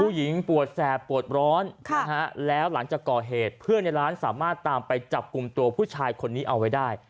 ปวดแสบปวดร้อนแล้วหลังจากก่อเหตุเพื่อนในร้านสามารถตามไปจับกลุ่มตัวผู้ชายคนนี้เอาไว้ได้